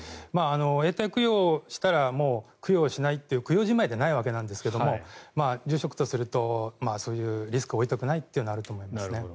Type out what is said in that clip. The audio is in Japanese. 永代供養したらもう供養しないという供養じまいではないわけなんですが住職とするとそういうリスクを負いたくないっていうのはあると思いますね。